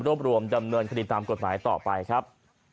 รวมรวมดำเนินคดีตามกฎหมายต่อไปครับ